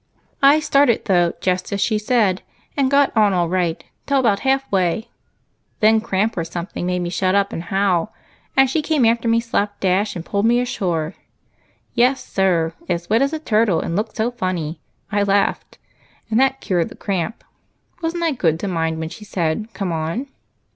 I started though, just as she said, and got on all right, till about halfway, then cramp or something made me shut up and howl, and she came after me slapdash, and pulled me ashore. Yes, sir, as wet as a turtle, and looked so funny, I laughed, and that cured the cramp. Wasn't I good to mind when she said, 'Come on'?"